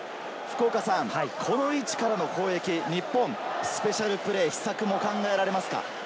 この位置からの攻撃、日本スペシャルプレー、秘策も考えられますか？